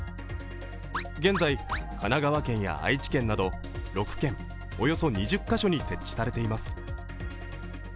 現在、神奈川県や愛知県など６県、およそ２０カ所に設置されています。